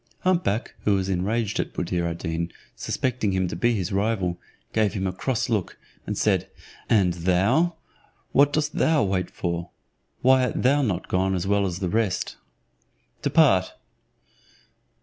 Hump back, who was enraged at Buddir ad Deen, suspecting him to be his rival, gave him a cross look, and said, "And thou, what dost thou wait for? Why art thou not gone as well as the rest? Depart!"